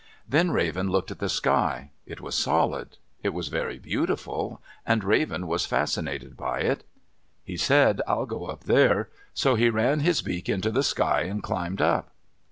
Then Raven looked at the sky. It was solid. It was very beautiful and Raven was fascinated by it. He said, "I'll go up there," so he ran his beak into the sky and climbed up.